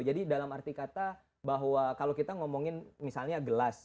jadi dalam arti kata bahwa kalau kita ngomongin misalnya gelas